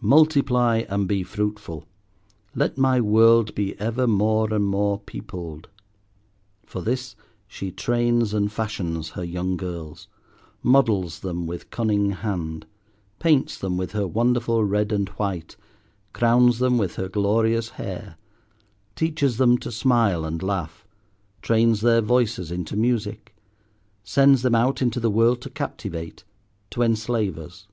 "Multiply and be fruitful; let my world be ever more and more peopled." For this she trains and fashions her young girls, models them with cunning hand, paints them with her wonderful red and white, crowns them with her glorious hair, teaches them to smile and laugh, trains their voices into music, sends them out into the world to captivate, to enslave us.